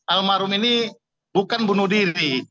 al mahrul ini bukan bunuh diri